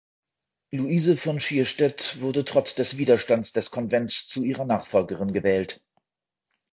Luise von Schierstedt wurde trotz des Widerstands des Konvents zu ihrer Nachfolgerin gewählt.